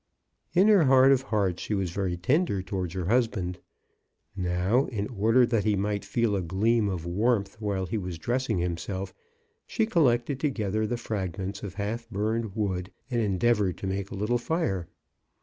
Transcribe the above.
In her heart of hearts she was very tender toward her husband. Now, in order that he might feel a gleam of warmth while he was dressing himself, she collected together the frag 40 CHRISTMAS AT THOMPSON HALL. ments of half burned wood, and endeavored to make a little fire.